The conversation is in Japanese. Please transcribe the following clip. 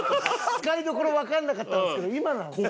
使いどころわかんなかったんですけど今なんですね。